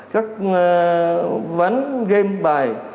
các ván game bài